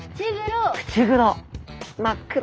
口黒！